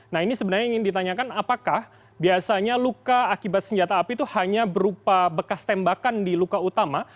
nah ini sebenarnya ingin ditanyakan apakah biasanya luka akibat senjata api itu hanya berupa bekas tembakan di luka utama